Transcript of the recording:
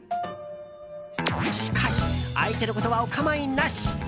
しかし、相手のことはお構いなし。